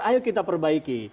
ayo kita perbaiki